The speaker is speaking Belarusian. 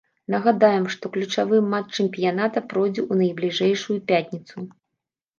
Нагадаем, што ключавы матч чэмпіяната пройдзе ў найбліжэйшую пятніцу.